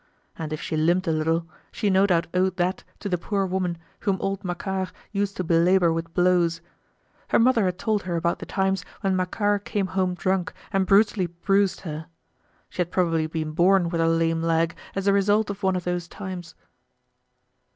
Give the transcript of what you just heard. And if she limped a little, she no doubt owed that to the poor woman, whom old Macquart used to belabor with blows. Her mother had told her about the times when Macquart came home drunk and brutally bruised her. She had probably been born with her lame leg as a result of one of those times.